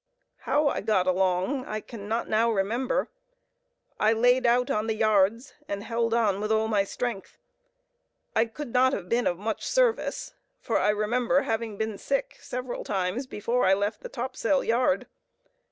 How I got along, I cannot now remember. I "laid out" on the yards and held on with all my strength. I could not have been of much service, for I remember having been sick several times before I left the topsail yard.